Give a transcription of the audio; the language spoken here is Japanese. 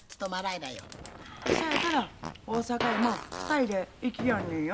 そやから大阪へも２人で行きやんねんや。